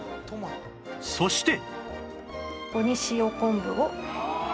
そして